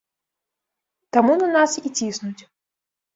Таму на нас і ціснуць.